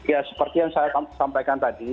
ya seperti yang saya sampaikan tadi